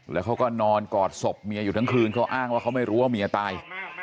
แล้วเขาก็นอนกอดศพเมียอยู่ทั้งคืนเขาอ้างว่าเขาไม่รู้ว่าเมียตาย